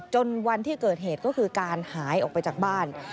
วันที่เกิดเหตุก็คือการหายออกไปจากบ้าน